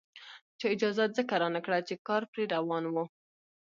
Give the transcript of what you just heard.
چا اجازه ځکه رانکړه چې کار پرې روان وو.